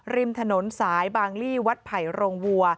ริมถนนสายบางลี่วัดไผ่โรงวัว